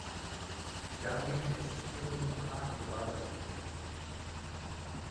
Daneben existieren noch acht globale Register.